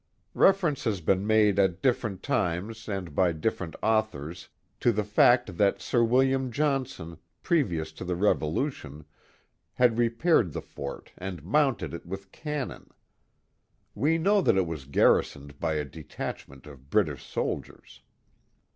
Reference has been made at different times and by different Fort Hunter 3^^ authors to the fact that Sir William Johnson, previous to the Revolution, had repaired the fort and mounted it with cannon. We know that it was garrisoned by a detachment of British soldiers.